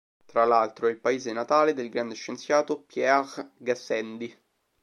Tra l'altro è il paese natale del grande scienziato Pierre Gassendi.